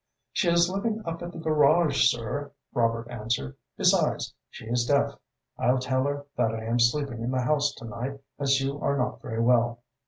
"She is living up at the garage, sir," Robert answered. "Besides, she is deaf. I'll tell her that I am sleeping in the house to night as you are not very well.